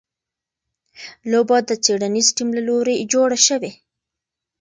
لوبه د څېړنیز ټیم له لوري جوړه شوې.